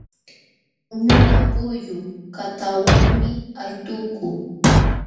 Ñuqa pullu kataawanmi aytukuu.